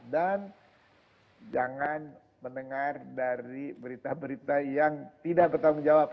dan jangan mendengar dari berita berita yang tidak bertanggung jawab